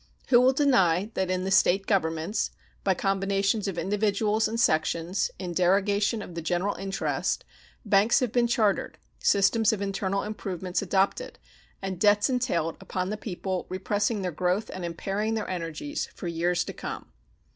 Who will deny that in the State governments, by combinations of individuals and sections, in derogation of the general interest, banks have been chartered, systems of internal improvements adopted, and debts entailed upon the people repressing their growth and impairing their energies for years to come?